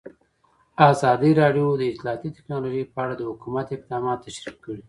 ازادي راډیو د اطلاعاتی تکنالوژي په اړه د حکومت اقدامات تشریح کړي.